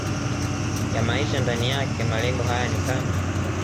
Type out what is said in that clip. ya maisha ndani yake Malengo haya ni kama